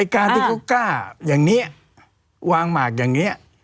การที่เขากล้าอย่างนี้วางหมากอย่างนี้